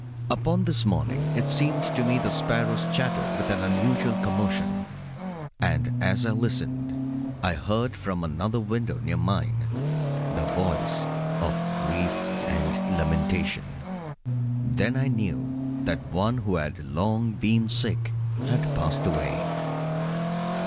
Upon this morning it seemed to me the sparrows chattered with an unusual commotion; and as I listened I heard from another window near mine the voice of grief and lamentation. Then I knew that one who had long been sick had passed away.